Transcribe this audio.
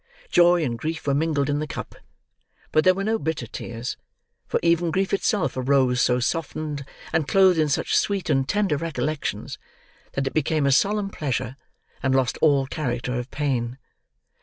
Joy and grief were mingled in the cup; but there were no bitter tears: for even grief itself arose so softened, and clothed in such sweet and tender recollections, that it became a solemn pleasure, and lost all character of pain.